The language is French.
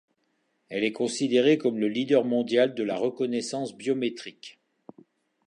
Elle est considérée comme le leader mondial de la reconnaissance biométrique.